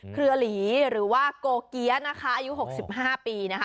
เครือหลีหรือว่ากโกเกี๊ยอายุ๖๕ปี